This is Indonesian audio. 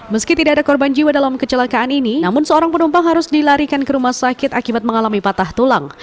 meski tidak ada korban jiwa dalam kecelakaan ini namun seorang penumpang harus dilarikan ke rumah sakit akibat mengalami patah tulang